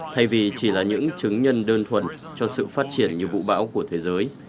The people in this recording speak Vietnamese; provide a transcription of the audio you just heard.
thay vì chỉ là những chứng nhân đơn thuần cho sự phát triển như vũ bão của thế giới